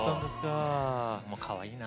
かわいいな。